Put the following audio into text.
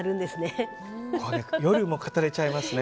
これ夜も語れちゃいますね。